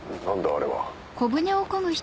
あれは。